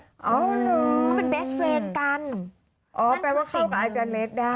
อ๋อเหรอเขาเป็นเบสเรนกันอ๋อแปลว่าเข้ากับอาจารย์เล็กได้